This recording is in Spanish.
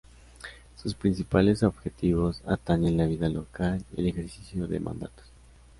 Sus principales objetivos atañen la vida local y el ejercicio de mandatos.